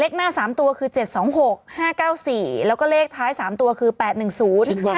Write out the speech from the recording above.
หน้าสามตัวคือเจ็ดสองหกห้าเก้าสี่แล้วก็เลขท้ายสามตัวคือแปดหนึ่งศูนย์ห้า